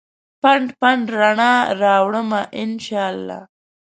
پنډ ، پنډ رڼا راوړمه ا ن شا الله